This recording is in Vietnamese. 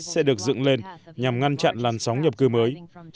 sẽ được dựng lên nhằm ngăn chặn làn sóng nhập cư mới